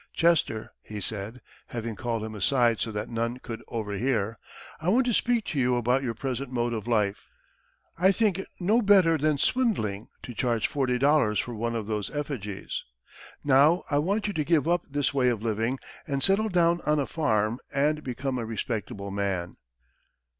"Chester," he said, having called him aside so that none could overhear, "I want to speak to you about your present mode of life. I think it no better than swindling to charge forty dollars for one of those effigies. Now I want you to give up this way of living and settle down on a farm and become a respectable man."